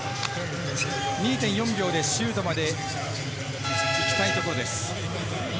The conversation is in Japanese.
２，４秒でシュートまで行きたいところです。